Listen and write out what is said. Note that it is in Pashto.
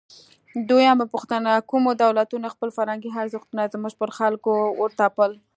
دویمه پوښتنه: کومو دولتونو خپل فرهنګي ارزښتونه زموږ پر خلکو وتپل؟